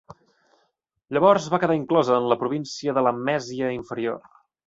Llavors va quedar inclosa en la província de la Mèsia Inferior.